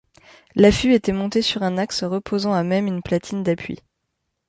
L'affût était monté sur un axe reposant à même une platine d'appui.